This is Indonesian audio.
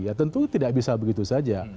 ya tentu tidak bisa begitu saja